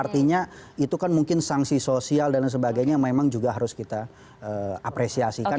artinya itu kan mungkin sanksi sosial dan sebagainya memang juga harus kita apresiasikan